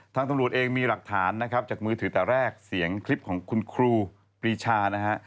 ตำรวจเองมีหลักฐานนะครับจากมือถือแต่แรกเสียงคลิปของคุณครูปรีชานะฮะ